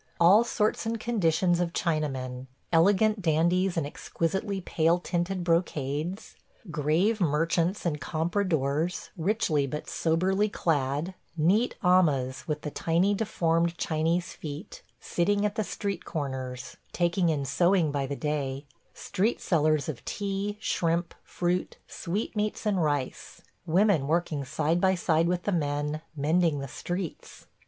All sorts and conditions of Chinamen – elegant dandies in exquisitely pale tinted brocades; grave merchants and compradors, richly but soberly clad; neat amahs with the tiny deformed Chinese feet, sitting at the street corners, taking in sewing by the day; street sellers of tea, shrimp, fruit, sweetmeats, and rice; women working side by side with the men, mending the streets